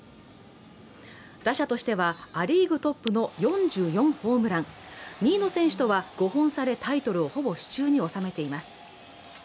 打者としてはア・リーグトップの４４ホームラン２位の選手とは５本差でタイトルをほぼ手中に収めています。